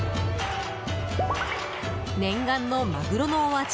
念願のマグロのお味